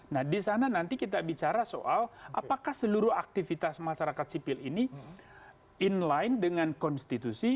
nah di sana nanti kita bicara soal apakah seluruh aktivitas masyarakat sipil ini in line dengan konstitusi